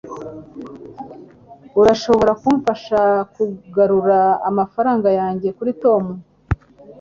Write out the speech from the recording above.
urashobora kumfasha kugarura amafaranga yanjye kuri tom